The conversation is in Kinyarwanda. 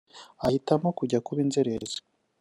ahitamo kujya kuba inzererezi